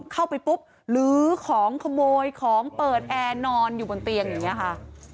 เข้าไปปุ๊บลื้อของขโมยของเปิดแอร์นอนอยู่บนเตียงอย่างนี้ค่ะ